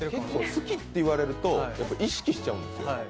好きって言われると意識しちゃうんですよ。